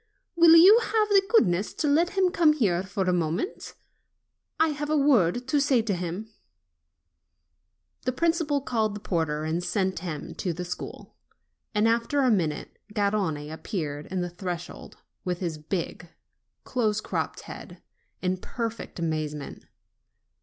"Will you have the goodness to let him come here for a moment? I have a word to say to him." THE HEAD OF THE CLASS 45 The principal called the porter and sent him to the school; and after a minute Garrone appeared on the threshold, with his big, close cropped head, in perfect amazement.